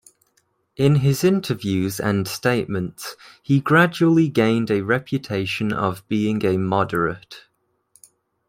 In his interviews and statements he gradually gained a reputation of being a moderate.